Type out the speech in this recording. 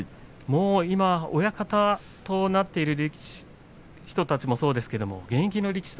今親方となっている人たちもそうですけど現役の力士